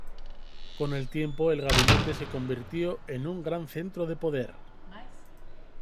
Con el tiempo el gabinete se convirtió en un gran centro de poder.